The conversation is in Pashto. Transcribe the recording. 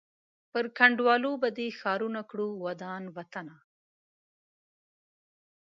پر کنډوالو به دي ښارونه کړو ودان وطنه